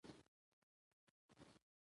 دوی له څو کلونو راهيسې په دې پروژه کار کوي.